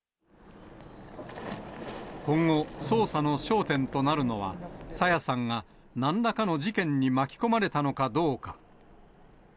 今後、捜査の焦点となるのは、朝芽さんがなんらかの事件に巻き込まれたのかどうか。